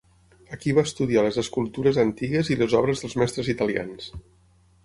Aquí va estudiar les escultures antigues i les obres dels mestres italians.